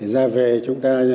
ra về chúng ta